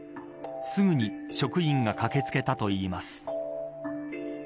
すぐに職員が駆け付けたといいます。